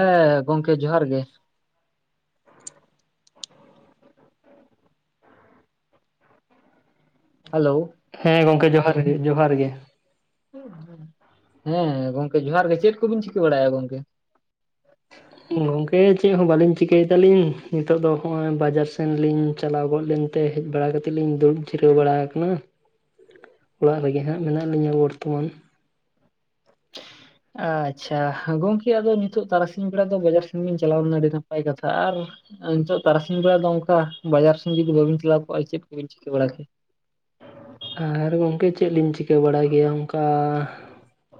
ᱦᱮᱸ ᱜᱚᱝᱠᱮ ᱡᱚᱦᱟᱨ ᱜᱮ ᱦᱮᱞᱳ ᱦᱮᱸ ᱜᱚᱝᱠᱮ ᱡᱚᱦᱟᱨ ᱜᱮ ᱡᱚᱦᱟᱨ ᱜᱮ ᱦᱮᱸ ᱜᱚᱝᱠᱮ ᱡᱚᱦᱟᱨ ᱜᱮ ᱪᱮᱫ ᱠᱚᱵᱤᱱ ᱪᱤᱠᱟᱹ ᱵᱟᱲᱟᱭᱟ ᱜᱚᱝᱠᱮ ᱜᱚᱝᱠᱮ ᱪᱮᱫ ᱦᱚᱸ ᱵᱟᱟᱹᱞᱤᱧ ᱪᱤᱠᱟᱹᱭᱮᱫᱟᱞᱤᱧ ᱱᱤᱛᱚᱜ ᱫᱚ ᱦᱚᱸᱜᱼᱚᱭ ᱵᱟᱡᱟᱨ ᱥᱮᱱ ᱞᱤᱧ ᱪᱟᱞᱟᱣ ᱜᱚᱫ ᱞᱮᱱᱟ ᱛᱮ, ᱦᱮᱡ ᱵᱟᱲᱟ ᱠᱟᱛᱮᱫ ᱞᱤᱧ ᱫᱩᱵ ᱡᱷᱤᱨᱟᱹᱣ ᱵᱟᱲᱟ ᱟᱠᱟᱱᱟ ᱚᱲᱟᱜ ᱨᱮᱜᱮ ᱦᱟᱸᱜ ᱢᱮᱱᱟᱜ ᱞᱤᱧᱟᱹ ᱵᱚᱨᱛᱚᱢᱟᱱ [inaudible] ᱟᱪᱪᱷᱟ ᱜᱚᱝᱠᱮ ᱟᱫᱚ ᱱᱤᱛᱚᱜ ᱛᱟᱨᱟᱥᱤᱧ ᱵᱮᱲᱟ ᱫᱚ ᱵᱟᱡᱟᱨ ᱥᱮᱱ ᱵᱤᱱ ᱪᱟᱞᱟᱣ ᱞᱮᱱᱟ ᱟᱹᱰᱤ ᱱᱟᱯᱟᱭ ᱠᱟᱛᱷᱟ ᱟᱨ ᱱᱤᱛᱚᱜ ᱛᱟᱨᱟᱥᱤᱧ ᱵᱮᱲᱟ ᱫᱚ ᱚᱝᱠᱟ ᱵᱟᱡᱟᱨ ᱥᱮᱱ ᱡᱩᱫᱤ ᱵᱟᱹᱵᱤᱱ ᱪᱟᱞᱟᱣ ᱠᱚᱜᱼᱟ ᱪᱮᱫ ᱠᱚᱵᱤᱱ ᱪᱤᱠᱟᱹ ᱵᱟᱲᱟ ᱠᱮᱭᱟ? ᱟᱨ ᱜᱚᱝᱠᱮ ᱪᱮᱫ ᱞᱤᱧ ᱪᱤᱠᱟᱹ ᱵᱟᱲᱟᱭ ᱜᱮᱭᱟ ᱚᱝᱠᱟ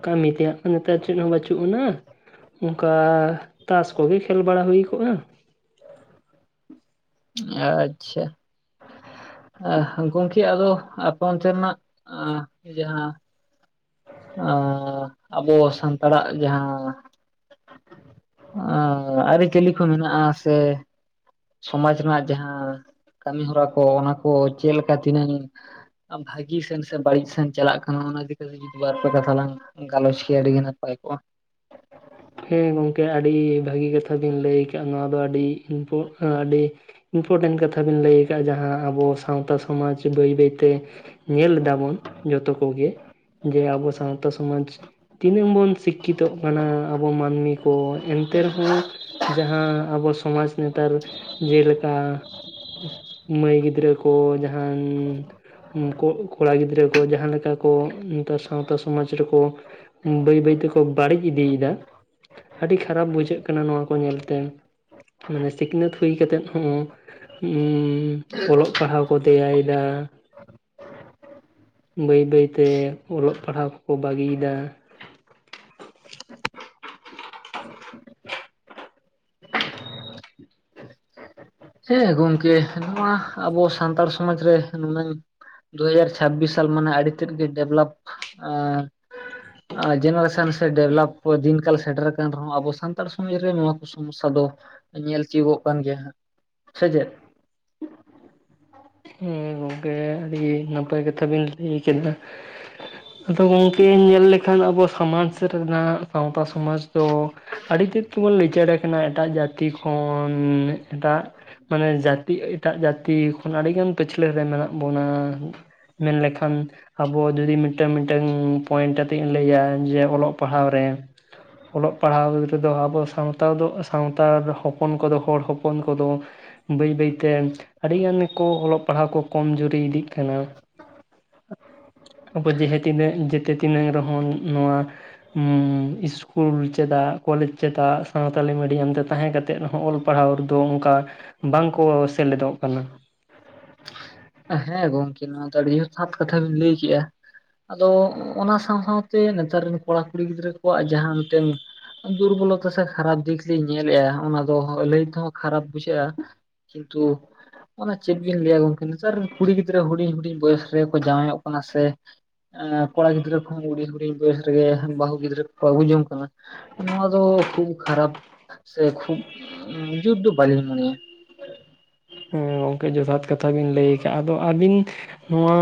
ᱠᱟᱹᱢᱤ ᱛᱮᱭᱟᱜ ᱱᱮᱛᱟᱨ ᱪᱮᱫ ᱦᱚᱸ ᱵᱟᱹᱪᱩᱜ ᱟᱱᱟ ᱚᱝᱠᱟ ᱛᱟᱥ ᱠᱚᱜᱮ ᱠᱷᱮᱹᱞ ᱵᱟᱲᱟ ᱦᱩᱭ ᱠᱚᱜᱼᱟ ᱟᱪᱪᱷᱟ ᱮᱸᱜ ᱜᱚᱝᱠᱮ ᱟᱫᱚ ᱟᱯᱮ ᱚᱱᱛᱮᱱᱟᱜ‌ ᱮᱸᱜ ᱡᱟᱦᱟᱸ ᱮᱸ, ᱟᱵᱚ ᱥᱟᱱᱛᱟᱲᱟᱜ ᱡᱟᱦᱟᱸ ᱚ ᱟᱹᱨᱤᱪᱟᱹᱞᱤ ᱠᱚ ᱢᱮᱱᱟᱜᱼᱟ ᱥᱮ ᱥᱚᱢᱟᱡᱽ ᱨᱮᱱᱟᱜ ᱡᱟᱦᱟᱸ ᱠᱟᱹᱢᱤ ᱦᱚᱨᱟ ᱠᱚ ᱚᱱᱟ ᱠᱚ ᱪᱮᱫ ᱞᱮᱠᱟ ᱛᱤᱱᱟᱹᱝ ᱵᱷᱟᱜᱤ ᱥᱮᱱ ᱥᱮ ᱵᱟᱹᱲᱤᱡ ᱥᱮᱱ ᱪᱟᱞᱟᱜ ᱠᱟᱱᱟ ᱚᱱᱟᱜᱮ ᱫᱟᱹᱭ ᱢᱤᱫ ᱵᱟᱨ ᱯᱮ ᱠᱟᱛᱷᱟ ᱞᱟᱝ ᱜᱟᱞᱚᱪ ᱠᱮᱭᱟ ᱟᱹᱰᱤᱜᱮ ᱱᱟᱯᱟᱭ ᱠᱚᱜᱼᱟ ᱦᱩᱸ ᱜᱚᱝᱠᱮ ᱟᱹᱰᱤ ᱵᱷᱟᱹᱜᱤ ᱠᱟᱛᱷᱟ ᱵᱤᱱ ᱞᱟᱹᱭ ᱟᱠᱟᱫ ᱱᱚᱣᱟ ᱫᱚ ᱟᱹᱰᱤ ᱤᱢᱯᱚ ᱟᱹᱰᱤ ᱤᱢᱯᱚᱨᱴᱮᱱᱴ ᱠᱟᱛᱷᱟ ᱵᱤᱱ ᱞᱟᱹᱭ ᱟᱠᱟᱫᱼᱟ ᱡᱟᱦᱟᱸ ᱟᱵᱚ ᱥᱟᱶᱛᱟ ᱥᱚᱢᱟᱡᱽ ᱵᱟᱹᱭ ᱵᱟᱹᱭᱛᱮ ᱧᱮᱞ ᱫᱟᱵᱚᱱ ᱡᱚᱛᱚ ᱠᱚᱜᱮ ᱡᱮ ᱟᱵᱚ ᱥᱟᱶᱛᱟ ᱥᱚᱢᱟᱡᱽ ᱛᱤᱱᱟᱹᱜ ᱵᱚᱱ ᱥᱤᱠᱠᱷᱤᱛᱚᱜ ᱠᱟᱱᱟ ᱟᱵᱚ ᱢᱟᱹᱱᱢᱤ ᱠᱚ ᱮᱱᱛᱮ ᱨᱮᱦᱚᱸ ᱡᱟᱦᱟᱸ ᱟᱵᱚ ᱥᱚᱢᱟᱡᱽ ᱱᱮᱛᱟᱨ ᱡᱮᱞᱮᱠᱟ ᱢᱟᱹᱭ ᱜᱤᱫᱽᱨᱟᱹ ᱠᱚ ᱡᱟᱦᱟᱱ ᱠᱚᱜ ᱠᱚᱲᱟ ᱜᱤᱫᱽᱨᱟᱹ ᱠᱚ ᱡᱟᱦᱟᱸ ᱞᱮᱠᱟ ᱠᱚ ᱱᱮᱛᱟᱨ ᱥᱟᱶᱛᱟ ᱥᱚᱢᱟᱡᱽ ᱨᱮᱠᱚ ᱵᱟᱹᱭ ᱵᱟᱹᱭ ᱛᱮᱠᱚ ᱵᱟᱹᱲᱤᱡ ᱤᱫᱤᱭᱮᱫᱟ ᱟᱹᱰᱤ ᱠᱷᱟᱨᱟᱯ ᱵᱩᱡᱷᱟᱹᱜ ᱠᱟᱱᱟ ᱱᱚᱣᱟ ᱠᱚ ᱧᱮᱞᱛᱮ ᱢᱟᱱᱮ ᱥᱤᱠᱷᱱᱟᱹᱛ ᱦᱩᱭ ᱠᱟᱛᱮᱫ ᱩᱸ ᱚᱞᱚᱜ ᱯᱟᱲᱦᱟᱣ ᱠᱚ ᱫᱮᱭᱟᱭᱮᱫᱟ ᱵᱟᱹᱭ ᱵᱟᱹᱭᱛᱮ ᱚᱞᱚᱜ ᱯᱟᱲᱦᱟᱣ ᱠᱚᱠᱚ ᱵᱟᱹᱜᱤᱭᱮᱫᱟ ᱦᱮᱸ ᱜᱚᱢᱠᱮ ᱱᱚᱣᱟ ᱟᱵᱚ ᱥᱟᱱᱛᱟᱲ ᱥᱚᱢᱟᱡᱽ ᱨᱮ ᱱᱩᱱᱟᱹᱝ ᱫᱩ ᱦᱟᱡᱟᱨ ᱪᱷᱟᱵᱵᱤᱥ ᱥᱟᱞ ᱢᱟᱱᱮ ᱟᱹᱰᱤ ᱛᱮᱫ ᱜᱮ ᱰᱮᱵᱷᱞᱚᱯ ᱮᱸᱻ ᱡᱮᱱᱟᱨᱮᱥᱚᱱ ᱥᱮ ᱰᱮᱵᱷᱞᱚᱯ ᱫᱤᱱ ᱠᱟᱞ ᱥᱮᱴᱮᱨ ᱟᱠᱟᱱ ᱨᱮᱦᱚᱸ ᱟᱵᱚ ᱥᱟᱱᱛᱟᱲ ᱥᱚᱢᱟᱡᱽ ᱨᱮ ᱱᱚᱣᱟ ᱠᱚ ᱥᱚᱢᱚᱥᱥᱟ ᱫᱚ ᱧᱮᱞ ᱛᱤᱭᱚᱜᱚᱜ ᱠᱟᱱ ᱜᱮᱭᱟ ᱦᱟᱸᱜ ᱥᱮᱪᱮᱫ ᱦᱮᱸ ᱜᱚᱝᱠᱮ ᱟᱹᱰᱤ ᱱᱟᱯᱟᱭ ᱠᱟᱛᱷᱟ ᱵᱮᱱ ᱞᱟᱹᱭ ᱠᱮᱫᱟ ᱟᱫᱚ ᱜᱚᱝᱠᱮ ᱧᱮᱞ ᱞᱮᱠᱷᱟᱱ ᱟᱵᱚ ᱥᱚᱢᱟᱡᱽ ᱨᱮᱱᱟᱜ ᱥᱟᱶᱛᱟ ᱥᱚᱢᱟᱡᱽ ᱫᱚ ᱟᱹᱰᱤ ᱛᱮᱫ ᱛᱮᱵᱚᱱ ᱞᱤᱪᱟᱹᱲ ᱟᱠᱟᱱᱟ ᱮᱴᱟᱜ ᱡᱟᱹᱛᱤ ᱠᱚ ᱡᱷᱚᱱ ᱮᱴᱟᱜ ᱢᱟᱱᱮ ᱡᱟᱹᱛᱤ ᱮᱴᱟᱜ ᱡᱟᱹᱛᱤ ᱠᱷᱚᱱ ᱟᱹᱰᱤᱜᱟᱱ ᱯᱟᱹᱪᱷ ᱯᱟᱹᱪᱷᱞᱟᱹ ᱨᱮ ᱢᱮᱱᱟᱜ ᱵᱚᱱᱟ ᱢᱮᱱᱞᱮᱠᱷᱟᱱ ᱟᱵᱚ ᱡᱩᱫᱤ ᱢᱤᱫᱴᱮᱝ ᱢᱤᱫᱴᱮᱝ ᱯᱚᱭᱮᱱᱴ ᱟᱛᱮᱜ ᱤᱧ ᱞᱟᱹᱭᱟ ᱡᱮ ᱚᱞᱚᱜ ᱯᱟᱲᱦᱟᱣ ᱨᱮ ᱚᱞᱚᱜ ᱯᱟᱲᱦᱟᱣ ᱨᱮᱫᱚ ᱟᱵᱚ ᱥᱟᱶᱛᱟ ᱫᱚ ᱥᱟᱶᱛᱟ ᱦᱚᱯᱚᱱ ᱠᱚᱫᱚ ᱦᱚᱲ ᱦᱚᱯᱚᱱ ᱠᱚᱫᱚ ᱵᱟᱹᱭ ᱵᱟᱹᱭᱛᱮ ᱟᱹᱰᱤ ᱜᱟᱱ ᱜᱮ ᱠᱚ ᱚᱞᱚᱜ ᱯᱟᱲᱦᱟᱜ ᱠᱚ ᱠᱚᱢ ᱡᱩᱨᱤ ᱤᱫᱤᱜ ᱠᱟᱱᱟ ᱾ [inaudible] ᱟᱵᱚ ᱡᱮᱦᱮ ᱛᱤᱱᱟᱹᱜ ᱡᱮᱛᱮ ᱛᱤᱱᱟᱹᱜ ᱨᱮᱦᱚᱸ ᱱᱚᱣᱟ ᱤᱥᱠᱩᱞ ᱪᱮᱫᱟᱜ ᱠᱚᱞᱮᱡᱽ ᱪᱮᱫᱟᱜ ᱥᱟᱶᱛᱟᱞᱤ ᱢᱤᱰᱤᱭᱟᱢ ᱛᱮ ᱛᱟᱦᱮᱸ ᱠᱟᱛᱮ ᱨᱮ ᱦᱚᱸ ᱚᱞ ᱯᱟᱲᱦᱟᱣ ᱚᱞ ᱯᱟᱲᱦᱟᱣ ᱨᱮᱫᱚ ᱚᱱᱠᱟ ᱵᱟᱝ ᱠᱚ ᱥᱮᱞᱮᱫᱚᱜ ᱠᱟᱱᱟ ᱾ ᱦᱮᱸ ᱜᱚᱝᱠᱮ ᱱᱚᱣᱟ ᱫᱚ ᱟᱹᱰᱤ ᱡᱚᱛᱷᱟᱛ ᱠᱟᱛᱷᱟ ᱵᱤᱱ ᱞᱟᱹᱭ ᱠᱮᱜᱼᱟ ᱾ ᱟᱫᱚ ᱚᱱᱟ ᱥᱟᱶ ᱥᱟᱶᱛᱮ ᱱᱮᱛᱟᱨ ᱨᱮᱱ ᱠᱚᱲᱟ ᱠᱩᱲᱤ ᱜᱤᱫᱽᱨᱟᱹ ᱠᱚᱣᱟᱜ ᱡᱟᱦᱟᱸ ᱢᱤᱫᱴᱮᱱ ᱫᱩᱨᱵᱚᱞᱚᱛᱟ ᱥᱮ ᱠᱷᱟᱨᱟᱯ ᱫᱤᱠ ᱞᱤᱧ ᱧᱮᱞᱮᱫᱼᱟ ᱚᱱᱟ ᱫᱚ ᱞᱟᱹᱭ ᱛᱮᱦᱚᱸ ᱠᱷᱟᱨᱟᱯ ᱵᱩᱡᱷᱟᱹᱜᱼᱟ ᱾ ᱠᱤᱱᱛᱩ ᱚᱱᱟ ᱪᱮᱫ ᱵᱤᱱ ᱞᱟᱹᱭᱟ ᱜᱚᱝᱠᱮ ᱱᱮᱛᱟᱨ ᱨᱮᱱ ᱠᱩᱲᱤ ᱜᱤᱫᱽᱨᱟᱹ ᱦᱩᱰᱤᱧ ᱦᱩᱰᱤᱧ ᱵᱚᱭᱮᱥ ᱨᱮᱠᱚ ᱡᱟᱶᱟᱭᱚᱜ ᱠᱟᱱᱟ ᱥᱮ ᱠᱚᱲᱟ ᱜᱤᱫᱽᱨᱟᱹ ᱠᱚᱦᱚᱸ ᱦᱩᱰᱤᱧ ᱦᱩᱰᱤᱧ ᱵᱚᱭᱮᱥ ᱨᱮᱜᱮ ᱵᱟᱹᱦᱩ ᱜᱤᱫᱽᱨᱟᱹ ᱠᱚᱠᱚ ᱟᱹᱜᱩ ᱡᱚᱝ ᱠᱟᱱᱟ ᱱᱚᱣᱟ ᱫᱚ ᱠᱷᱩᱵᱽ ᱠᱷᱟᱨᱟᱯ ᱥᱮ ᱠᱷᱩᱵᱽ ᱡᱩᱛ ᱫᱚ ᱵᱟᱹᱞᱤᱧ ᱢᱚᱱᱮᱭᱟ ᱾ ᱦᱮᱸ ᱜᱚᱝᱠᱮ ᱡᱚᱛᱷᱟᱛ ᱠᱟᱛᱷᱟ ᱵᱤᱱ ᱞᱟᱹᱭ ᱠᱮᱜᱼᱟ ᱾ ᱟᱫᱚ ᱟᱹᱵᱤᱱ ᱱᱚᱣᱟ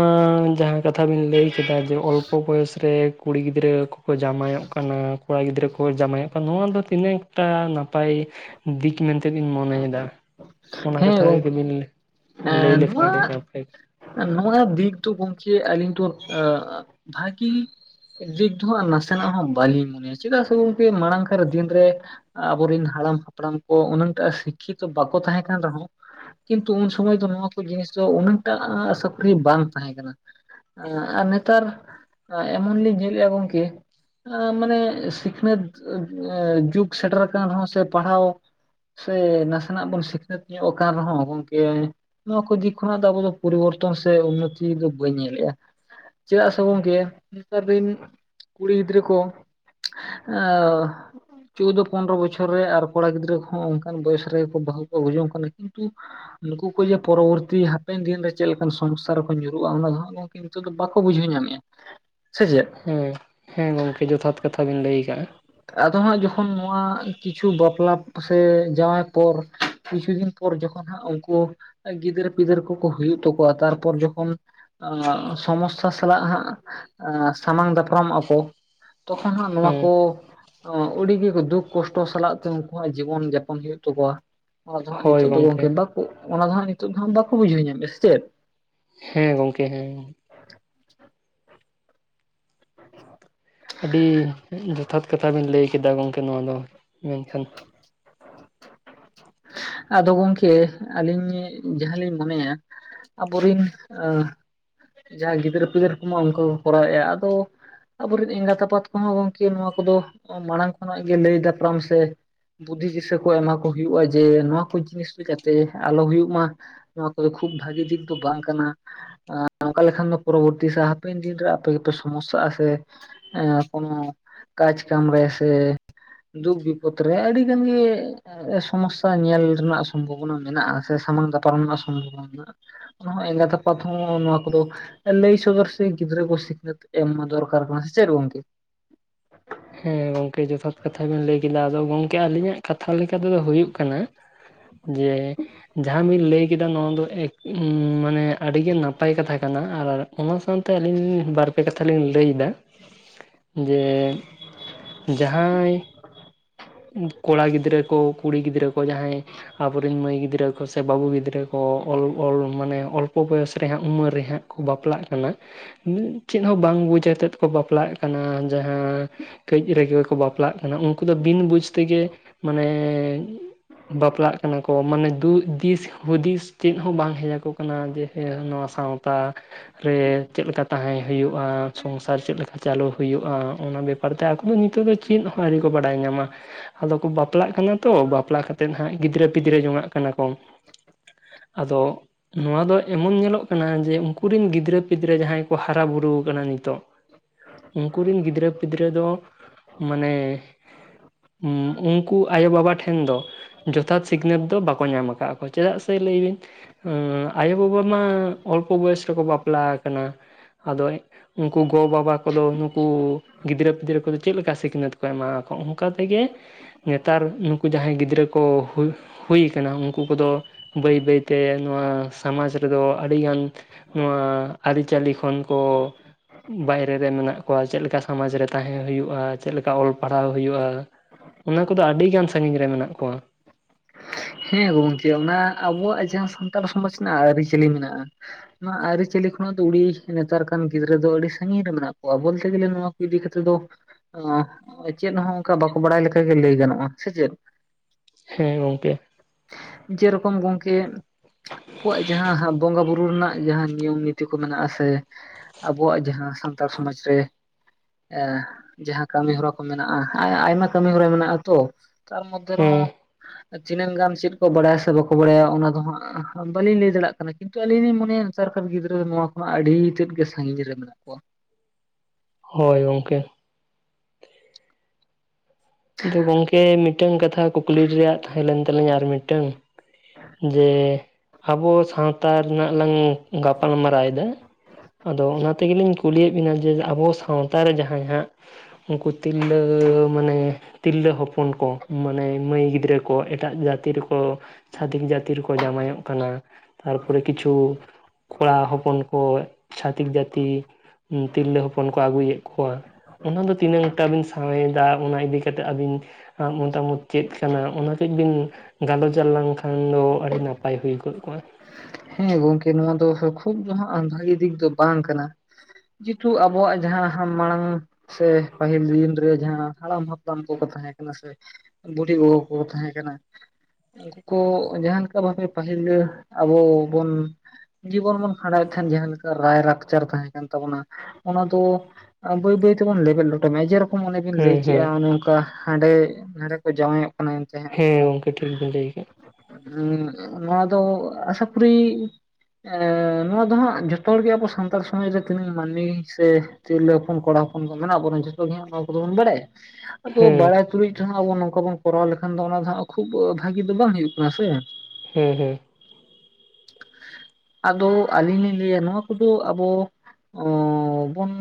ᱡᱟᱦᱟᱸ ᱠᱟᱛᱷᱟ ᱵᱤᱱ ᱞᱟᱹᱭ ᱠᱮᱫᱟ ᱡᱮ ᱚᱞᱯᱚ ᱵᱚᱭᱚᱥ ᱨᱮ ᱠᱩᱲᱤ ᱜᱤᱫᱽᱨᱟᱹ ᱠᱚᱠᱚ ᱡᱟᱢᱟᱭᱚᱜ ᱠᱟᱱᱟ ᱠᱚᱲᱟ ᱜᱤᱫᱽᱨᱟᱹ ᱠᱚ ᱡᱟᱢᱟᱭ ᱾ ᱱᱚᱣᱟ ᱫᱚ ᱛᱤᱱᱟᱹᱜᱴᱟ ᱱᱟᱯᱟᱭ ᱫᱤᱠ ᱢᱮᱱᱛᱮ ᱵᱤᱱ ᱢᱚᱱᱮᱭᱮᱫᱟ ᱚᱱᱟ [unintelligible] ᱦᱮᱸ ᱜᱚᱝᱠᱮ ᱞᱟ. ᱭ ᱞᱮᱠᱷᱟᱱ ᱱᱚᱣᱟ ᱟᱹᱰᱤ ᱱᱟᱯᱟᱭ ᱠᱚ ᱾ ᱱᱚᱣᱟ ᱫᱤᱠ ᱫᱚ ᱜᱚᱢᱠᱮ ᱟᱹᱞᱤᱧ ᱫᱚ ᱵᱷᱟᱹᱜᱤ ᱫᱤᱠ ᱫᱚ ᱦᱟᱸᱜ ᱱᱟᱥᱮᱱᱟᱜ ᱦᱚᱸ ᱵᱟᱹᱞᱤᱧ ᱢᱚᱱᱮᱭᱟ ᱪᱮᱫᱟᱜ ᱥᱮ ᱜᱚᱝᱠᱮ ᱢᱟᱲᱟᱝ ᱠᱟᱨ ᱫᱤᱱ ᱨᱮ ᱟᱵᱚᱨᱮᱱ ᱦᱟᱲᱟᱢ ᱦᱟᱯᱲᱟᱢ ᱠᱚ ᱩᱱᱟᱝᱴᱟᱜ ᱥᱤᱠᱠᱷᱤᱛᱚ ᱵᱟᱠᱚ ᱛᱟᱦᱮᱸ ᱠᱟᱱ ᱨᱮᱦᱚᱸ ᱠᱤᱱᱛᱩ ᱩᱱ ᱥᱚᱢᱚᱭ ᱫᱚ ᱱᱚᱣᱟ ᱠᱚ ᱡᱤᱱᱤᱥ ᱫᱚ ᱩᱱᱟᱹᱜᱴᱟᱜ ᱥᱟᱠᱨᱤᱭ ᱵᱟᱝ ᱛᱟᱦᱮᱸ ᱠᱟᱱᱟ ᱾ ᱟᱨ ᱱᱮᱛᱟᱨ ᱮᱢᱚᱱ ᱞᱤᱧ ᱧᱮᱞᱮᱜᱼᱟ ᱜᱚᱝᱠᱮ ᱢᱟᱱᱮ ᱥᱤᱠᱷᱱᱟᱹᱛ ᱡᱩᱜᱽ ᱥᱮᱴᱮᱨ ᱟᱠᱟᱱ ᱨᱮᱦᱚᱸ ᱥᱮ ᱯᱟᱲᱦᱟᱣ ᱥᱮ ᱱᱟᱥᱮᱱᱟᱜ ᱵᱚᱱ ᱥᱤᱠᱷᱱᱟᱹᱛ ᱧᱚᱜ ᱟᱠᱟᱱ ᱨᱮᱦᱚᱸ ᱜᱚᱝᱠᱮ ᱱᱚᱣᱟ ᱠᱚ ᱫᱤᱠ ᱠᱷᱚᱱᱟᱜ ᱫᱚ ᱟᱵᱚ ᱫᱚ ᱯᱚᱨᱤᱵᱚᱨᱛᱚᱱ ᱥᱮ ᱩᱱᱱᱚᱛᱤ ᱫᱚ ᱵᱟᱹᱧ ᱧᱮᱞᱮᱜᱼᱟ ᱾ ᱪᱮᱫᱟᱜ ᱥᱮ ᱜᱚᱝᱠᱮ ᱱᱮᱛᱟᱨ ᱫᱤᱱ ᱠᱩᱲᱤ ᱜᱤᱫᱨᱟᱹ ᱠᱚ ᱪᱳᱣᱫᱚ ᱯᱚᱱᱨᱚ ᱵᱚᱪᱷᱚᱨ ᱨᱮ ᱟᱨ ᱠᱚᱲᱟ ᱜᱤᱫᱽᱨᱟᱹ ᱠᱚᱦᱚᱸ ᱚᱱᱠᱟᱱ ᱵᱚᱭᱮᱥ ᱨᱮ ᱵᱟᱹᱦᱩ ᱠᱚ ᱟᱹᱜᱩ ᱡᱚᱝ ᱠᱟᱱᱟ ᱾ ᱠᱤᱱᱛᱩ ᱱᱩᱠᱩ ᱡᱮ ᱯᱚᱨᱚᱵᱚᱨᱛᱤ ᱦᱟᱯᱮᱱ ᱫᱤᱱ ᱨᱮ ᱪᱮᱫ ᱞᱮᱠᱟᱱ ᱥᱚᱝᱥᱟᱨ ᱨᱮᱠᱚ ᱧᱩᱨᱩᱜᱼᱟ ᱚᱱᱟ ᱫᱚ ᱦᱟᱸᱜ ᱜᱚᱝᱠᱮ ᱱᱤᱛᱚᱜ ᱫᱚ ᱵᱟᱠᱚ ᱵᱩᱡᱷᱟᱹᱣ ᱧᱟᱢᱮᱜᱼᱟ ᱾ ᱦᱮᱸ ᱦᱮᱸ ᱜᱚᱝᱠᱮ ᱡᱚᱛᱷᱟᱛ ᱠᱟᱛᱷᱟ ᱵᱤᱱ ᱞᱟᱹᱭ ᱟᱠᱟᱜ-ᱟ ᱾ ᱟᱫᱚ ᱦᱟᱸᱜ ᱡᱚᱠᱷᱚᱱ ᱱᱚᱣᱟ ᱠᱤᱪᱷᱩ ᱵᱟᱯᱞᱟ ᱥᱮ ᱡᱟᱶᱟᱭ ᱯᱚᱨ ᱠᱤᱪᱷᱩ ᱫᱤᱱ ᱯᱚᱨ ᱡᱚᱠᱷᱚᱱ ᱦᱟᱸᱜ ᱩᱱᱠᱩ ᱜᱤᱫᱟᱹᱨ ᱯᱤᱫᱟᱹᱨ ᱠᱚᱠᱚ ᱦᱩᱭᱩᱜ ᱛᱟᱠᱚᱣᱟ ᱛᱟᱨᱯᱚᱨ ᱡᱚᱠᱷᱚᱱ ᱥᱚᱢᱚᱥᱥᱟ ᱥᱟᱞᱟᱜ ᱦᱟᱸᱜ ᱥᱟᱢᱟᱝ ᱫᱟᱯᱨᱟᱢᱚᱜ ᱟᱠᱚ ᱾ ᱛᱚᱠᱷᱚᱱ ᱦᱟᱸᱜ ᱱᱚᱣᱟ ᱦᱮᱸ ᱠᱚ ᱟᱹᱰᱤᱜ ᱫᱩᱠ ᱠᱚᱥᱴᱚ ᱥᱟᱞᱟᱜ ᱛᱮ ᱩᱱᱠᱩᱣᱟᱜ ᱡᱤᱵᱚᱱ ᱡᱟᱯᱚᱱ ᱦᱩᱭᱩᱜ ᱛᱟᱠᱩᱣᱟ ᱾ ᱚᱱᱟ ᱫᱚ ᱦᱟᱸᱜ ᱱᱤᱛᱚᱜ ᱫᱚ ᱜᱚᱝᱠᱮ ᱵᱟᱠᱚ ᱚᱱᱟ ᱫᱚ ᱦᱟᱸᱜ ᱱᱤᱛᱚᱜ ᱫᱚ ᱵᱟᱠᱚ ᱵᱩᱡᱷᱟᱹᱣ ᱧᱟᱢ ᱢᱮᱜ-ᱟ ᱥᱮ ᱪᱮᱫ? ᱦᱮᱸ ᱜᱚᱝᱠᱮ ᱦᱮᱸ ᱾ ᱦ [inaudible] ᱟᱹᱰᱤ ᱡᱚᱛᱷᱟᱛ ᱠᱟᱛᱷᱟ ᱵᱮᱱ ᱞᱟᱹᱭ ᱠᱮᱫᱟ ᱜᱚᱝᱠᱮ ᱱᱚᱣᱟ ᱫᱚ ᱢᱮᱱᱠᱷᱟᱱ ᱟᱫᱚ ᱜᱚᱝᱠᱮ ᱟᱹᱞᱤᱧ ᱡᱟᱦᱟᱸ ᱞᱤᱧ ᱢᱚᱱᱮᱭᱟ ᱟᱵᱚ ᱨᱤᱱ ᱡᱟᱦᱟᱸᱭ ᱜᱤᱫᱟᱹᱨ ᱯᱤᱫᱟᱹᱨ ᱠᱚᱢᱟ ᱚᱱᱠᱟ ᱠᱚ ᱠᱚᱨᱟᱣᱮᱫ-ᱟ ᱟᱫᱚ ᱟᱵᱚᱨᱮᱱ ᱮᱸᱜᱟᱛ ᱟᱯᱟᱛ ᱠᱚᱦᱚᱸ ᱜᱚᱝᱠᱮ ᱱᱚᱣᱟ ᱠᱚᱫᱚ ᱢᱟᱲᱟᱝ ᱠᱷᱚᱱᱟᱜ ᱜᱮ ᱞᱟᱹᱭ ᱫᱟᱯᱨᱟᱢ ᱥᱮ ᱵᱩᱫᱽᱫᱷᱤ ᱫᱤᱥᱟᱹ ᱠᱚ ᱮᱢᱟ ᱠᱚ ᱦᱩᱭᱩᱜ-ᱟ ᱡᱮ ᱱᱚᱣᱟ ᱠᱚ ᱡᱤᱱᱤᱥ ᱦᱩᱭ ᱠᱟᱛᱮ ᱟᱞᱚ ᱦᱩᱭᱩᱜ ᱢᱟ ᱱᱚᱣᱟ ᱠᱚᱫᱚ ᱠᱷᱩᱵ ᱵᱷᱟᱜᱤ ᱫᱤᱠ ᱫᱚ ᱵᱟᱝ ᱠᱟᱱᱟ ᱾ ᱱᱚᱝᱠᱟ ᱞᱮᱠᱷᱟᱱ ᱫᱚ ᱯᱚᱨᱚᱵᱚᱨᱛᱤ ᱥᱮ ᱦᱟᱯᱮᱱ ᱫᱤᱱ ᱨᱮ ᱟᱯᱮ ᱜᱮᱯᱮ ᱥᱚᱢᱚᱥᱥᱟ ᱟᱥᱮ ᱦᱮᱸ ᱠᱚᱱᱳ ᱠᱟᱪ ᱠᱟᱢᱨᱟ ᱥᱮ ᱫᱩᱠ ᱵᱤᱯᱚᱫ ᱨᱮ ᱟᱹᱰᱤ ᱜᱟᱱ ᱜᱮ ᱥᱚᱢᱚᱥᱥᱟ ᱟᱨ ᱧᱮᱞ ᱨᱮᱱᱟᱜ ᱥᱚᱢᱵᱷᱚᱵᱚᱱᱟ ᱢᱮᱱᱟᱜ-ᱟ ᱥᱮ ᱥᱟᱢᱟᱝ ᱫᱟᱯᱟᱢ ᱨᱮᱱᱟᱜ ᱥᱚᱢᱵᱷᱚᱵᱚᱱᱟ ᱢᱮᱱᱟᱜ-ᱟ ᱾ ᱮᱸᱜᱟᱛ ᱟᱯᱟᱛ ᱦᱚᱸ ᱱᱚᱣᱟ ᱠᱚᱫᱚ ᱞᱟᱹᱭ ᱥᱚᱫᱚᱨ ᱥᱮ ᱜᱤᱫᱽᱨᱟᱹ ᱠᱚ ᱥᱤᱠᱷᱱᱟᱹᱛ ᱮᱢ ᱫᱚᱨᱠᱟᱨ ᱠᱟᱱᱟ ᱥᱮᱪ ᱜᱚᱝᱠᱮ ᱜᱚᱢᱠᱮ ᱡᱚᱛᱷᱟᱛ ᱠᱟᱛᱷᱟ ᱵᱮᱱ ᱞᱟᱹᱭ ᱠᱮᱫᱟ ᱟᱫᱚ ᱜᱚᱢᱠᱮ ᱟᱹᱞᱤᱧᱟᱜ ᱠᱟᱛᱷᱟ ᱞᱮᱠᱟ ᱛᱮᱫᱚ ᱦᱩᱭᱩᱜ ᱠᱟᱱᱟ ᱡᱮᱻ ᱡᱟᱦᱟᱸ ᱵᱤᱱ ᱞᱟᱹᱭ ᱠᱮᱫᱟ ᱱᱚᱣᱟ ᱫᱚ ᱮᱠ ᱢᱟᱱᱮ ᱟᱹᱰᱤ ᱜᱮ ᱱᱟᱯᱟᱭ ᱠᱟᱛᱷᱟ ᱠᱟᱱᱟ ᱟᱨ ᱚᱱᱟ ᱥᱟᱶᱛᱮ ᱟᱹᱞᱤᱧ ᱞᱤᱧ ᱵᱟᱨᱯᱮ ᱠᱟᱛᱷᱟ ᱞᱤᱧ ᱞᱟᱹᱭ ᱮᱫᱟ [inaudible] ᱡᱮᱻ ᱡᱟᱦᱟᱸᱭ ᱠᱚᱲᱟ ᱜᱤᱫᱽᱨᱟᱹ ᱠᱚ ᱠᱩᱲᱤ ᱜᱤᱫᱽᱨᱟᱹ ᱠᱚ ᱡᱟᱦᱟᱸᱭ ᱟᱵᱚᱨᱮᱱ ᱢᱟᱹᱭ ᱜᱤᱫᱽᱨᱟᱹ ᱠᱚ ᱥᱮ ᱵᱟᱹᱵᱩ ᱜᱤᱫᱽᱨᱟᱹ ᱚ ᱚᱞ ᱚᱞ ᱢᱟᱱᱮ ᱚᱞᱯᱚ ᱵᱚᱭᱚᱥ ᱨᱮᱦᱟᱸᱜ ᱩᱢᱟᱹᱨ ᱨᱮ ᱦᱟᱸᱜ ᱠᱚ ᱵᱟᱯᱞᱟᱜ ᱠᱟᱱᱟ ᱪᱮᱫ ᱦᱚᱸ ᱵᱟᱝ ᱵᱩᱡ ᱠᱟᱛᱮᱫ ᱠᱚ ᱵᱟᱯᱞᱟᱜ ᱠᱟᱱᱟ ᱡᱟᱦᱟᱭ ᱠᱟᱹᱡ ᱨᱮᱜᱮ ᱠᱚ ᱵᱟᱯᱞᱟᱜ ᱠᱟᱱᱟ ᱩᱱᱠᱩ ᱫᱚ ᱵᱤᱱ ᱵᱩᱡᱽ ᱛᱮᱜᱮ ᱢᱟᱱᱮ ᱵᱟᱯᱞᱟᱜ ᱠᱟᱱᱟ ᱠᱚ ᱢᱟᱱᱮ ᱫᱩ ᱫᱤᱥ ᱦᱩᱫᱤᱥ ᱪᱮᱫ ᱦᱚᱸ ᱵᱟᱝ ᱦᱮᱡ ᱟᱠᱚ ᱠᱟᱱᱟ ᱡᱮ ᱦᱮᱸ ᱱᱚᱣᱟ ᱥᱟᱶᱛᱟ ᱨᱮ ᱪᱮᱫ ᱞᱮᱠᱟ ᱛᱟᱦᱮᱸ ᱦᱩᱭᱩᱜ-ᱟ ᱥᱚᱝᱥᱟᱨ ᱪᱮᱫ ᱞᱮᱠᱟ ᱪᱟᱹᱞᱩ ᱦᱩᱭᱩᱜ-ᱟ ᱚᱱᱟ ᱵᱮᱯᱟᱨ ᱯᱟᱨᱛᱮ ᱟᱠᱚ ᱫᱚ ᱱᱤᱛᱚᱜ ᱫᱚ ᱪᱮᱫ ᱦᱚᱸ ᱟᱹᱣᱨᱤ ᱠᱚ ᱵᱟᱰᱟᱭ ᱧᱟᱢᱟ ᱟᱫᱚ ᱠᱚ ᱵᱟᱯᱞᱟᱜ ᱠᱟᱱᱟ ᱛᱚ ᱵᱟᱯᱞᱟ ᱠᱟᱛᱮᱫ ᱦᱟᱸᱜ ᱜᱤᱫᱽᱨᱟᱹ ᱯᱤᱫᱽᱨᱟᱹ ᱡᱚᱱᱟᱜ ᱠᱟᱱᱟ ᱠᱚ ᱟᱫᱚ ᱱᱚᱣᱟ ᱫᱚ ᱮᱢᱚᱱ ᱧᱮᱞᱚᱜ ᱠᱟᱱᱟ ᱡᱮ ᱩᱱᱠᱩ ᱨᱤᱱ ᱜᱤᱫᱽᱨᱟᱹ ᱯᱤᱫᱽᱨᱟᱹ ᱡᱟᱦᱟᱸᱭ ᱠᱚ ᱦᱟᱨᱟ ᱵᱩᱨᱩ ᱟᱠᱟᱱᱟ ᱱᱤᱛᱚᱜ ᱩᱱᱠᱩ ᱨᱤᱱ ᱜᱤᱫᱽᱨᱟᱹ ᱯᱤᱫᱽᱨᱟᱹ ᱫᱚ ᱢᱟᱱᱮ ᱩᱸ ᱩᱱᱠᱩ ᱟᱭᱳ ᱵᱟᱵᱟ ᱴᱷᱮᱱ ᱫᱚ ᱡᱚᱛᱷᱟᱛ ᱥᱤᱠᱷᱱᱟᱹᱛ ᱫᱚ ᱵᱟᱠᱚ ᱧᱟᱢ ᱟᱠᱟᱜ ᱟᱠᱚ ᱪᱮᱫᱟᱜ ᱥᱮ ᱞᱟᱹᱭ ᱵᱤᱱ ᱟᱸ ᱟᱭᱳ ᱵᱟᱵᱟ ᱢᱟ ᱚᱞᱯᱚ ᱵᱚᱭᱚᱥ ᱨᱮᱠᱚ ᱵᱟᱯᱞᱟ ᱟᱠᱟᱱᱟ ᱟᱫᱚ ᱩᱱᱠᱩ ᱜᱚ-ᱵᱟᱵᱟ ᱠᱚᱫᱚ ᱱᱩᱠᱩ ᱜᱤᱫᱽᱨᱟᱹ ᱯᱤᱫᱽᱨᱟᱹ ᱠᱚᱫᱚ ᱪᱮᱫ ᱞᱮᱠᱟ ᱥᱤᱠᱷᱱᱟᱹᱛ ᱠᱚ ᱮᱢᱟ ᱠᱚ ᱚᱱᱠᱟ- ᱛᱮ ᱜᱮ ᱱᱮᱛᱟᱨ ᱱᱩᱠᱩ ᱡᱟᱦᱟᱸᱭ ᱜᱤᱫᱽᱨᱟᱹ ᱠᱚ ᱦᱩᱭ ᱦᱩᱭ ᱠᱟᱱᱟ ᱩᱱᱠᱩ ᱠᱚᱫᱚ ᱵᱟᱹᱭ ᱵᱟᱹᱭᱛᱮ ᱱᱚᱣᱟ ᱥᱟᱢᱟᱡᱽ ᱨᱮᱫᱚ ᱟᱹᱰᱤᱜᱟᱱ ᱱᱚᱣᱟ ᱟᱹᱨᱤ ᱪᱟᱹᱞᱤ ᱠᱷᱚᱱ ᱠᱚ ᱵᱟᱭᱨᱮ ᱨᱮ ᱢᱮᱱᱟᱜ ᱠᱚᱣᱟ ᱪᱮᱫ ᱞᱮᱠᱟ ᱥᱟᱢᱟᱡᱽ ᱨᱮ ᱛᱟᱦᱮᱸ ᱦᱩᱭᱩᱜ-ᱟ ᱪᱮᱫ ᱞᱮᱠᱟ ᱚᱞ ᱯᱟᱲᱦᱟᱣ ᱦᱩᱭᱩᱜ-ᱟ ᱚᱱᱟ ᱠᱚᱫᱚ ᱟᱹᱰᱤ ᱜᱟᱱ ᱥᱟᱺᱜᱤᱧ ᱨᱮ ᱢᱮᱱᱟᱜ ᱠᱚᱣᱟ ᱾ ᱦᱮᱸ ᱜᱚᱢᱠᱮ ᱚᱱᱟ ᱟᱵᱚᱣᱟᱜ ᱡᱟᱦᱟᱸ ᱥᱟᱱᱛᱟᱲ ᱥᱚᱢᱟᱡᱽ ᱨᱮᱱᱟᱜ ᱟᱹᱨᱤᱪᱟᱹᱞᱤ ᱢᱮᱱᱟᱜ-ᱟ᱾ ᱱᱚᱣᱟ ᱟᱹᱨᱤᱪᱟᱹᱞᱤ ᱠᱷᱚᱱᱟᱜ ᱫᱚ ᱩᱲᱤ ᱱᱮᱛᱟᱨ ᱠᱟᱱ ᱜᱤᱫᱽᱨᱟᱹ ᱫᱚ ᱟᱹᱰᱤ ᱥᱟᱺᱜᱤᱧ ᱨᱮ ᱢᱮᱱᱟᱜ ᱠᱚᱣᱟ ᱵᱚᱞᱛᱮ ᱜᱮᱞᱮ ᱱᱚᱣᱟ- ᱤᱫᱤ ᱠᱟᱛᱮ ᱫᱚ ᱪᱮᱫ ᱦᱚᱸ ᱚᱱᱠᱟ ᱵᱟᱠᱚ ᱵᱟᱲᱟᱭ ᱞᱮᱠᱮ ᱞᱟᱹᱭ ᱜᱟᱱᱚᱜᱼᱟ ᱥᱮ ᱪᱮᱫ ᱦᱮᱸ ᱜᱚᱝᱠᱮ ᱡᱮ ᱨᱚᱠᱚᱢ ᱜᱚᱝᱠᱮ, ᱟᱵᱚᱣᱟᱜ ᱡᱟᱦᱟᱸ ᱵᱚᱸᱜᱟ ᱵᱩᱨᱩ [unintelligible] ᱨᱮᱱᱟᱜ ᱡᱟᱦᱟᱸ ᱱᱤᱭᱚᱢ ᱱᱤᱛᱤ ᱠᱚ ᱢᱮᱱᱟᱜ ᱥᱮ ᱟᱵᱚᱣᱟᱜ ᱡᱟᱦᱟᱸ ᱥᱟᱱᱛᱟᱲ ᱥᱚᱢᱟᱡᱽ ᱨᱮ ᱮᱻ ᱡᱟᱦᱟᱸ ᱠᱟᱹᱢᱤ ᱦᱚᱨᱟ ᱠᱚ ᱢᱮᱱᱟᱜᱼᱟ᱾ ᱟᱭ ᱟᱭᱢᱟ ᱠᱟᱹᱢᱤ ᱦᱚᱨᱟ ᱢᱮᱱᱟᱜ ᱛᱚ ᱛᱟᱨ ᱢᱚᱫᱷᱮ ᱨᱮᱦᱚ ᱦᱮᱸ [unintelligible] ᱛᱤᱱᱟᱹᱱ ᱜᱟᱱ ᱪᱮᱫ ᱠᱚ ᱵᱟᱲᱟᱭᱟ ᱥᱮ ᱵᱟᱠᱚ ᱵᱟᱲᱟᱭᱟ ᱚᱱᱟ ᱫᱚ ᱦᱟᱸᱜ ᱵᱟᱞᱤᱧ ᱞᱟᱹᱭ ᱫᱟᱲᱮᱭᱟᱜ ᱠᱟᱱᱟ᱾ ᱠᱤᱱᱛᱩ ᱟᱹᱞᱤᱧ ᱞᱤᱧ ᱢᱚᱱᱮᱭᱟ ᱥᱟᱨᱠᱟᱨ ᱜᱤᱫᱽᱨᱟᱹ ᱫᱚ ᱱᱚᱣᱟ ᱠᱷᱚᱱᱟᱜ ᱟᱹᱰᱤ ᱛᱮᱫ ᱜᱮ ᱥᱟᱺᱜᱤᱧ ᱨᱮ ᱢᱮᱱᱟᱜ ᱠᱚᱣᱟ ᱾ ᱦᱳᱭ ᱜᱚᱢᱠᱮ᱾ ᱟᱫᱚ ᱜᱚᱝᱠᱮ ᱢᱤᱫᱴᱟᱝ ᱠᱟᱛᱷᱟ ᱠᱩᱠᱞᱤ ᱨᱮᱭᱟᱜ ᱛᱟᱦᱮᱸ ᱞᱮᱱ ᱛᱟᱞᱤᱧᱟ ᱟᱨ ᱢᱤᱫᱴᱟᱝ ᱡᱮ, ᱟᱵᱚ ᱥᱟᱶᱛᱟ ᱨᱮᱱᱟᱜ ᱞᱟᱝ ᱜᱟᱯᱟᱞᱢᱟᱨᱟᱣ ᱮᱫᱟ ᱟᱫᱚ ᱚᱱᱟ ᱛᱮᱜᱮᱞᱤᱧ ᱠᱩᱞᱤᱭᱮᱫ ᱵᱤᱱᱟ ᱡᱮ ᱟᱵᱚ ᱥᱟᱶᱛᱟ ᱨᱮ ᱡᱟᱦᱟᱸᱭ ᱦᱟᱸᱜ ᱩᱱᱠᱩ ᱛᱤᱨᱞᱟᱹ ᱢᱟᱱᱮ ᱛᱤᱨᱞᱟᱹ ᱦᱚᱯᱚᱱ ᱠᱚ ᱢᱟᱱᱮ ᱢᱟᱹᱭ ᱜᱤᱫᱽᱨᱟᱹ ᱠᱚ ᱮᱴᱟᱜ ᱡᱟᱹᱛᱤ ᱨᱮᱠᱚ ᱪᱷᱟᱹᱛᱤᱠ ᱡᱟᱹᱛᱤ ᱨᱮᱠᱚ ᱡᱟᱶᱟᱭ ᱚᱜ ᱠᱟᱱᱟ ᱛᱟᱨᱯᱚᱨᱮ ᱠᱤᱪᱷᱩ ᱠᱚᱲᱟ ᱦᱚᱯᱚᱱ ᱠᱚ ᱪᱷᱟᱛᱤᱠ ᱡᱟᱹᱛᱤ ᱛᱤᱨᱞᱟᱹ ᱦᱚᱯᱚᱱ ᱠᱚ ᱟᱹᱜᱩᱭᱮᱠ ᱠᱚᱣᱟ᱾ ᱚᱱᱟ ᱫᱚ ᱛᱤᱱᱟᱹᱝ ᱴᱟ ᱵᱤᱱ ᱥᱟᱶ ᱮᱫᱟ ᱚᱱᱟ ᱤᱫᱤ ᱛᱮᱫ ᱟᱹᱵᱤᱱ ᱢᱚᱛᱟᱢᱚᱛ ᱪᱮᱫ ᱠᱟᱱᱟ ᱚᱱᱟ ᱠᱟᱹᱡ ᱵᱤᱱ ᱜᱟᱞᱚᱪ ᱟᱞᱟᱝ ᱠᱷᱟᱱ ᱫᱚ ᱟᱹᱰᱤ ᱱᱟᱯᱟᱭ ᱦᱩᱭ ᱠᱚᱜᱼᱟ᱾ ᱦᱮᱸ ᱜᱚᱝᱠᱮ ᱱᱚᱣᱟ ᱫᱚ ᱠᱷᱩᱵ ᱫᱚᱦᱟᱸᱜ ᱵᱷᱟᱹᱜᱤ ᱫᱤᱠ ᱫᱚ ᱵᱟᱝ ᱠᱟᱱᱟ ᱾ ᱡᱮᱦᱮᱛᱩ ᱟᱵᱚᱣᱟᱜ ᱡᱟᱦᱟᱸ ᱢᱟᱲᱟᱝ ᱥᱮ ᱯᱟᱦᱤᱞ ᱫᱤᱱ ᱨᱮ ᱡᱟᱦᱟᱸ ᱦᱟᱲᱟᱢ ᱦᱟᱯᱲᱟᱢ ᱠᱚᱠᱚ ᱛᱟᱦᱮᱸ ᱠᱟᱱᱟ ᱥᱮ ᱵᱩᱰᱦᱤ ᱜᱚᱜᱚ ᱠᱚ ᱛᱟᱦᱮᱸ ᱠᱟᱱᱟ᱾ ᱩᱱᱠᱩ ᱠᱚ ᱡᱟᱦᱟᱸ ᱞᱮᱠᱟ ᱵᱷᱟᱵᱮ ᱯᱟᱦᱤᱞ ᱟᱵᱚ ᱵᱚᱱ᱾ ᱡᱤᱵᱚᱱ ᱵᱚᱱ ᱠᱷᱟᱸᱰᱟᱣᱮᱜ ᱛᱟᱦᱮᱸᱱ ᱡᱟᱦᱟᱸ ᱞᱮᱠᱟ ᱨᱟᱭ ᱨᱟᱠᱪᱟᱨ ᱛᱟᱦᱮᱸ ᱠᱟᱱ ᱛᱟᱵᱚᱱᱟ᱾ ᱚᱱᱟ ᱫᱚ ᱟ ᱵᱟᱹᱭ ᱵᱟᱹᱭ ᱛᱮᱵᱚᱱ ᱞᱮᱵᱮᱞ ᱞᱚᱴᱚᱢᱮᱜ ᱡᱮᱨᱼᱼ ᱠᱟ ᱚᱱᱮ ᱵᱤᱱ ᱦᱮᱸ ᱞᱟᱹᱭ ᱦᱮᱸ ᱠᱮᱜ-ᱟ᱾ ᱦᱟᱸᱰᱮ ᱱᱟᱱᱰᱮ ᱠᱚ ᱡᱟᱶᱟᱭᱚᱜ ᱠᱟᱱᱟ ᱮᱱ ᱦᱮᱸ ᱜᱚᱝᱠᱮ ᱴᱷᱤᱠ ᱵᱮᱱ ᱞᱟᱹᱭ ᱟᱠᱟᱜ᱾ ᱦᱩᱸ ᱱᱚᱶᱟ ᱫᱚ ᱪᱷᱟᱯᱨᱤ ᱮᱸ ᱱᱚᱣᱟ ᱫᱚ ᱦᱟᱸᱜ ᱡᱚᱛᱚ ᱦᱚᱲ ᱜᱮ ᱟᱵᱚ ᱥᱟᱱᱛᱟᱲ ᱥᱚᱢᱟᱡᱽ ᱨᱮ ᱛᱤᱱᱟᱹᱜ ᱢᱟᱱᱢᱤ ᱥᱮ ᱛᱤᱨᱞᱟᱹ ᱦᱚᱯᱚᱱ ᱠᱚᱲᱟ ᱦᱚᱯᱚᱱ ᱠᱚ ᱢᱮᱱᱟᱜ ᱵᱚᱱᱟ ᱡᱷᱚᱛᱚ ᱜᱮ ᱦᱟᱜ ᱱᱚᱣᱟ ᱠᱚᱫᱚ ᱵᱚᱱ ᱵᱟᱲᱟᱭᱟ᱾ ᱟᱫᱚ ᱦᱮᱸ ᱵᱟᱲᱟᱭ ᱛᱩᱞᱩᱡ ᱠᱷᱟᱱ ᱟᱵᱚ ᱱᱚᱝᱠᱟ ᱵᱚᱱ ᱠᱚᱨᱟᱣ ᱞᱮᱠᱷᱟᱱ ᱫᱚ ᱚᱱᱟ ᱫᱚ ᱦᱟᱸᱜ ᱠᱷᱩᱵ ᱵᱷᱟᱹᱜᱤ ᱫᱚ ᱵᱟᱝ ᱦᱩᱭᱩᱜ ᱠᱟᱱᱟ ᱥᱮ᱾ ᱦᱮᱸ ᱦᱮᱸ᱾ ᱟᱫᱚ ᱟᱞᱤᱧ ᱞᱤᱧ ᱞᱟᱹᱭᱟ ᱱᱚᱣᱟ ᱠᱚᱫᱚ ᱟᱵᱚ ᱚᱸ ᱵᱚᱱ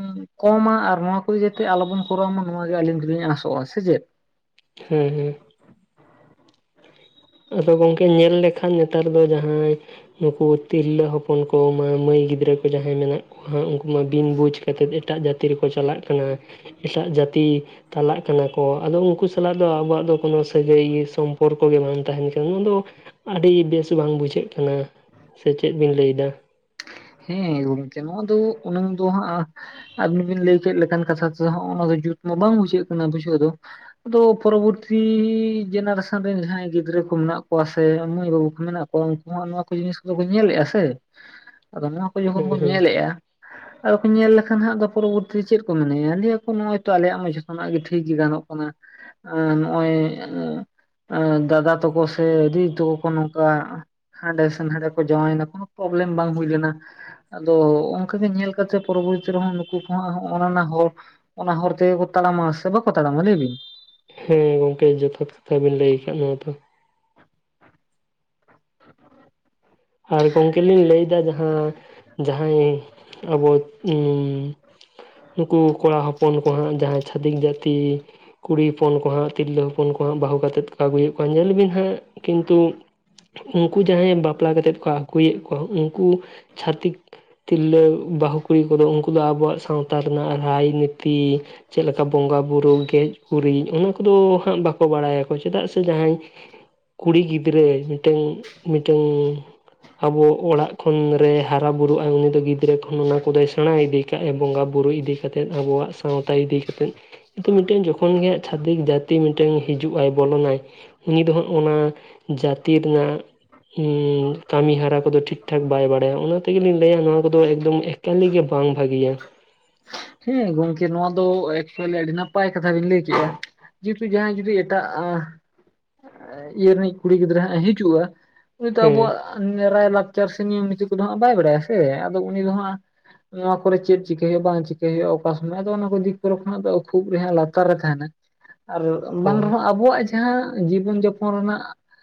ᱠᱚᱢᱟ ᱟᱨ ᱱᱚᱣᱟ ᱠᱚ ᱡᱟᱛᱮ ᱟᱞᱚᱵᱚᱱ ᱠᱚᱨᱟᱣ ᱢᱟ ᱱᱚᱣᱟ ᱜᱮ ᱟᱹᱞᱤᱧ ᱫᱚᱞᱤᱧ ᱟᱥᱚᱜ-ᱟ᱾ᱥᱮ ᱪᱮᱫ? ᱦᱮᱸ ᱦᱮᱸ᱾ ᱟᱫᱚ ᱜᱚᱝᱠᱮ ᱧᱮᱞ ᱞᱮᱠᱷᱟᱱ ᱱᱮᱛᱟᱨ ᱫᱚ ᱡᱟᱦᱟᱸᱭ ᱱᱩᱠᱩ ᱛᱤᱨᱞᱟᱹ ᱦᱚᱯᱚᱱ ᱠᱚ ᱢᱟᱹ ᱢᱟᱹᱭ ᱜᱤᱫᱽᱨᱟᱹ ᱠᱚ ᱡᱟᱦᱟᱸᱭ ᱢᱮᱱᱟᱜ ᱠᱚᱣᱟ ᱩᱱᱠᱩ ᱩ ᱢ‌ᱟ ᱵᱤᱱ ᱵᱩᱡᱽ ᱠᱟᱛᱮᱜ ᱮᱴᱟᱜ ᱡᱟᱹᱛᱤ ᱨᱮᱠᱚ ᱪᱟᱞᱟᱜ ᱠᱟᱱᱟ ᱮᱴᱟᱜ ᱡᱟᱛᱤ ᱛᱟᱞᱟᱜ ᱠᱟᱱᱟ ᱠᱚ᱾ ᱟᱫᱚ ᱩᱱᱠᱩ ᱥᱟᱞᱟᱜ ᱫᱚ ᱟᱵᱚᱣᱟᱜ ᱫᱚ ᱠᱚᱱᱚ ᱥᱟᱹᱜᱟᱹᱭ ᱭᱟᱹ ᱥᱚᱢᱯᱚᱨᱠᱚ ᱜᱮ ᱵᱟᱝ ᱛᱟᱦᱮᱱ ᱠᱟᱱᱟ᱾ ᱱᱚᱣᱟ ᱫᱚ ᱟᱹᱰᱤ ᱵᱮᱥ ᱵᱟᱝ ᱵᱩᱡᱷᱟᱹᱜ ᱠᱟᱱᱟ᱾ ᱥᱮ ᱪᱮᱫ ᱵᱤᱱ ᱞᱟᱹᱭ ᱫᱟ? ᱦᱮᱸ ᱜᱚᱢᱠᱮ ᱱᱚᱣᱟ ᱫᱚ ᱩᱱᱟᱹᱝ ᱫᱚ ᱦᱟᱸᱜᱼᱼ ᱟᱵᱤᱱ ᱵᱤᱱ ᱞᱟᱹᱭ ᱠᱮᱫ ᱞᱮᱠᱟᱱ ᱠᱟᱛᱷᱟ ᱛᱮ ᱦᱚᱸᱜ- ᱚᱱᱟ ᱫᱚ ᱡᱩᱛ ᱢᱟ ᱵᱟᱝ ᱵᱩᱡᱷᱟᱹᱜ ᱠᱟᱱᱟ ᱵᱩᱡᱷᱟᱹᱣ ᱫᱚ᱾ ᱟᱫᱚ ᱯᱚᱨᱚᱵᱚᱨᱛᱷᱤ ᱡᱮᱱᱟᱨᱮᱥᱚᱱ ᱨᱮᱱ ᱡᱟᱦᱟᱸᱭ ᱜᱤᱫᱽᱨᱟᱹ ᱠᱚ ᱢᱮᱱᱟᱜ ᱠᱚᱣᱟ ᱥᱮ ᱢᱟᱹᱭ ᱵᱟᱹᱵᱩ ᱠᱚ ᱢᱮᱱᱟᱜ ᱠᱚ ᱠᱚ ᱩᱱᱠᱩ ᱦᱚᱸ ᱱᱚᱣᱟ ᱠᱚ ᱡᱤᱱᱤᱥ ᱠᱚᱫᱚ ᱠᱚ ᱧᱮᱞᱮᱜ-ᱟ ᱥᱮ ᱟᱫᱚ ᱱᱚᱣᱟ ᱠᱚ ᱡᱚᱠᱷᱚᱱ ᱦᱮᱸ ᱠᱚ ᱦᱮᱸ ᱧᱮᱞᱮᱜ-ᱟ᱾ ᱟᱨ ᱠᱚ ᱧᱮᱞ ᱞᱮᱠᱷᱟᱱ ᱦᱟᱸᱜ ᱫᱚ ᱯᱚᱨᱚᱵᱚᱨᱛᱷᱤ ᱨᱮ ᱪᱮᱫ ᱠᱚ ᱢᱚᱮᱱᱭᱟ ᱞᱟᱹᱭᱟ ᱠᱚ ᱱᱚᱶᱟ ᱛᱚ ᱟᱞᱮᱭᱟᱜ ᱢᱟ ᱡᱷᱚᱛᱚᱱᱟᱜ ᱜᱮ ᱴᱷᱤᱠ ᱜᱮ ᱜᱟᱱᱚᱜ ᱠᱟᱱᱟ ᱟᱸ ᱱᱚᱜ-ᱚᱭ ᱮᱸᱜ ᱟᱸ ᱫᱟᱫᱟ ᱛᱟᱠᱚ ᱥᱮ ᱫᱤᱫᱤ ᱛᱟᱠᱚ ᱠᱚ ᱱᱚᱝᱠᱟ ᱦᱟᱸᱰᱮᱥᱼᱼ ᱱᱟᱱᱰᱮ ᱠᱚ ᱡᱟᱶᱟᱭ ᱱᱟ ᱠᱚᱱᱚ ᱯᱨᱚᱵᱮᱞᱮᱢ ᱵᱟᱝ ᱦᱩᱭ ᱞᱮᱱᱟ᱾ ᱟᱫᱚ ᱚᱱᱠᱟ ᱜᱮ ᱧᱮᱞ ᱠᱟᱛᱮᱜ ᱯᱚᱨᱚᱵᱚᱨᱛᱤ ᱨᱮᱦᱚᱸ ᱱᱩᱠᱩ ᱱᱚᱶᱟ ᱦᱚᱸᱜ- ᱚᱱ ᱚᱱᱟ ᱦᱚᱨ ᱚᱱᱟ ᱦᱚᱨ ᱛᱮᱜᱮ ᱠᱚ ᱛᱟᱲᱟᱢᱟ ᱥᱮ ᱵᱟᱠᱚ ᱛᱟᱲᱟᱢᱟ ᱞᱟᱹᱭ ᱵᱤᱱ? ᱦᱮᱸ ᱜᱚᱝᱠᱮ ᱡᱚᱛᱷᱟᱛ ᱠᱟᱛᱷᱟ ᱵᱤᱱ ᱞᱟᱹᱭ ᱟᱠᱟᱫ ᱱᱚᱣᱟ ᱫᱚ᱾ ᱟᱨ ᱜᱚᱝᱠᱮ ᱞᱤᱧ ᱞᱟᱹᱭ ᱫᱟ ᱡᱟᱦᱟᱸ ᱡᱟᱦᱟᱸᱭ ᱟᱵᱚ ᱩᱸᱼᱼ ᱱᱩᱠᱩ ᱠᱚᱲᱟ ᱦᱚᱯᱚᱱ ᱠᱚᱦᱟᱸᱜ ᱡᱟᱦᱟᱸᱭ ᱪᱷᱟᱹᱛᱤᱠ ᱡᱟᱹᱛᱤᱼᱼ ᱠᱩᱲᱤ ᱦᱚᱯᱚᱱ ᱠᱚ ᱦᱟᱸᱜ ᱛᱤᱨᱞᱟᱹ ᱦᱚᱯᱼᱼ ᱦᱚᱯᱚᱱ ᱠᱚ ᱦᱟᱸᱜ ᱵᱟᱦᱩ ᱠᱟᱛᱮᱜ ᱠᱚ ᱟᱜᱩᱭᱮᱜ ᱠᱚᱣᱟ ᱧᱮᱞ ᱵᱤᱱ ᱦᱟᱸᱜ ᱠᱤᱱᱛᱩᱜ ᱩᱱᱠᱩ ᱡᱟᱦᱟᱸᱭ ᱵᱟᱯᱼᱼ ᱵᱟᱯᱞᱟ ᱠᱟᱛᱮᱫ ᱠᱚᱼᱼ ᱟᱜᱩᱭᱮᱜ ᱠᱚᱣᱟ ᱩᱱᱠᱩ ᱪᱷᱟᱛᱤᱠᱼᱼ ᱛᱤᱨᱞᱟᱹ ᱵᱟᱦᱩ ᱠᱩᱲᱤ ᱠᱩᱫᱚ ᱩᱱᱠᱩ ᱫᱚ ᱟᱵᱚᱣᱟᱜ ᱥᱟᱶᱛᱟ ᱨᱮᱱᱟᱜ ᱨᱟᱭ ᱱᱤᱛᱤᱼᱼ ᱪᱮᱜ ᱞᱮᱠᱟ ᱵᱚᱸᱜᱟᱼᱵᱩᱨᱩ ᱜᱮᱡ ᱜᱩᱨᱤᱡ ᱚᱱᱟ ᱠᱚᱫᱚ ᱦᱟᱸᱜ ᱵᱟᱠᱚ ᱵᱟᱲᱟ ᱭᱟᱠᱚ ᱪᱮᱫᱟᱜ ᱥᱮ ᱡᱟᱦᱟᱸᱭᱼᱼ ᱠᱩᱲᱤ ᱜᱤᱫᱽᱨᱟᱹ ᱢᱤᱫᱴᱟᱹᱝ ᱢᱤᱫᱴᱟᱹᱝᱼ ᱟᱵᱚ ᱚᱲᱟᱜ ᱠᱷᱚᱱ ᱨᱮ ᱦᱟᱨᱟ ᱵᱩᱨᱩᱜ-ᱟᱭ ᱩᱱᱤ ᱫᱚ ᱜᱤᱫᱽᱨᱟᱹ ᱠᱷᱚᱱ ᱚᱱᱟ ᱠᱚᱫᱚᱭ ᱥᱮᱬᱟᱭ ᱤᱫᱤᱼᱼ ᱪᱮ ᱵᱚᱸᱜᱟᱼᱵᱩᱩᱨᱩᱭ ᱤᱫᱤ ᱠᱟᱛᱮᱫ ᱟᱵᱚᱣᱟᱜ ᱥᱟᱶᱛᱟ ᱤᱫᱤ ᱠᱟᱛᱮᱫᱼᱼᱼᱼ ᱠᱤᱱᱛᱩ ᱢᱤᱫᱴᱮᱱ ᱡᱚᱠᱷᱚᱱ ᱜᱮ ᱪᱷᱟᱛᱤᱠ ᱡᱟᱹᱛᱤ ᱢᱤᱫᱴᱮᱝ ᱦᱤᱡᱩᱜ ᱟᱭ ᱵᱚᱞᱚ ᱱᱟᱭᱼᱼ ᱩᱱᱤ ᱫᱚ ᱦᱟᱸᱜ ᱚᱱᱟ ᱡᱟᱛᱤ ᱨᱮᱱᱟᱜ ᱩᱸᱼᱼ ᱠᱟᱢᱤ ᱦᱟᱨᱟ ᱠᱚᱫᱚ ᱴᱷᱤᱠ ᱴᱷᱟᱠ ᱵᱟᱭ ᱵᱟᱲᱟᱭᱟ ᱚᱱᱟ ᱛᱮᱜᱮ‌ ᱞᱤᱧ ᱞᱟᱹᱭᱟ ᱱᱚᱣᱟ ᱠᱚᱫᱚ ᱮᱠᱫᱚᱢ ᱮᱠᱟᱞᱤ ᱜᱮ ᱵᱟᱝ ᱵᱷᱟᱜᱤᱭᱟ᱾ ᱦᱮᱸ ᱜᱚᱝᱠᱮ ᱱᱚᱣᱟ ᱫᱚ ᱮᱠᱪᱩᱣᱮᱞᱤ ᱟᱹᱰᱤ ᱱᱟᱯᱟᱭ ᱠᱟᱛᱷᱟ ᱵᱤᱱ ᱞᱟᱹᱭ ᱠᱮᱜ-ᱟ᱾ ᱡᱮ ᱡᱟᱦᱟᱸᱭ ᱡᱩᱫᱤ ᱮᱴᱟᱜ ᱟᱸ ᱤᱭᱟᱹ ᱨᱤᱱᱤᱡ ᱠᱩᱲᱤ ᱜᱤᱫᱽᱨᱟᱹ ᱦᱟᱸᱜ ᱮ ᱦᱤᱡᱩᱜ-ᱟ᱾ ᱩᱱᱤ ᱛᱚ ᱦᱮᱸ ᱟᱵᱚᱣᱟᱜ ᱟᱸ ᱱᱮ ᱨᱟᱭᱼᱨᱟᱠᱪᱟᱨ ᱥᱮ ᱱᱤᱭᱚᱢ ᱱᱤᱛᱤ ᱠᱚᱫᱚ ᱦᱟᱸᱜ ᱵᱟᱭ ᱵᱟᱲᱟᱭᱟ ᱥᱮ ᱟᱫᱚ ᱩᱱᱤ ᱫᱚ ᱦᱟᱸᱜᱼᱼ ᱱᱚᱣᱟ ᱠᱚᱨᱮ ᱪᱮᱫ ᱪᱤᱠᱟᱹ ᱦᱩᱭᱩᱜ ᱵᱟᱝ ᱪᱤᱠᱼᱼ ᱪᱮᱠ ᱦᱩᱭᱩᱜᱼᱟ ᱚᱠᱟ ᱥᱚᱢᱚᱭ ᱫᱚ ᱚᱱᱟ ᱠᱚ ᱫᱤᱠ ᱠᱚᱨᱮ ᱠᱷᱚᱱᱟᱜ ᱫᱚ ᱠᱷᱩᱵ ᱜᱮᱦᱟᱜ ᱞᱟᱛᱟᱨ ᱨᱮ ᱛᱟᱦᱮᱱᱟ ᱟᱨᱼᱳ ᱾ ᱵᱟᱝ ᱨᱮ ᱦᱳᱭ ᱦᱚᱸ ᱟᱵᱚᱣᱟᱜ ᱡᱟᱦᱟᱸ ᱡᱤᱵᱚᱱ ᱡᱟᱯᱚᱱ ᱨᱮᱱᱟᱜ